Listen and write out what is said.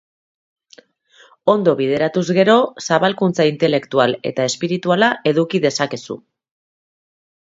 Ondo bideratuz gero, zabalkuntza intelektual eta espirituala eduki dezakezu.